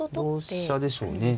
同飛車でしょうね。